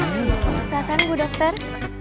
masakan bu dokter